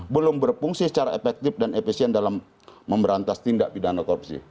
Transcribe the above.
belum berfungsi secara efektif dan efisien dalam memberantas tindak pidana korupsi